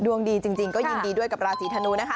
ดวงดีจริงก็ยินดีด้วยกับราศีธนูนะคะ